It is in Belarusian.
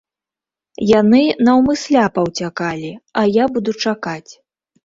Яны наўмысля паўцякалі, а я буду чакаць.